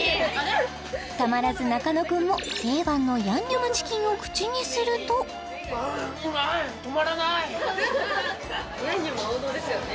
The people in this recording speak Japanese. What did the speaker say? たまらず中野君も定番のヤンニョムチキンを口にするとヤンニョムは王道ですよね